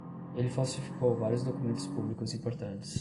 Ele falsificou vários documentos públicos importantes